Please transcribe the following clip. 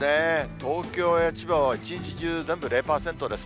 東京や千葉は、一日中全部０％です。